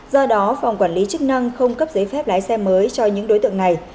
do đó phòng quản lý chức năng không cấp giấy phép lái xe mới cho những đối tượng này